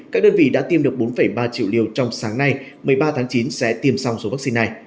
các đơn vị đã tiêm được bốn ba triệu liều trong sáng nay một mươi ba tháng chín sẽ tiêm xong số vaccine này